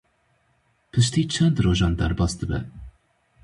Piştî çend rojan derbas dibe.